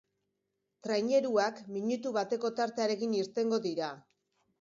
Traineruak minutu bateko tartearekin irtengo dira.